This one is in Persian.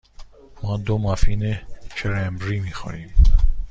ما دو مافین کرنبری می خوریم.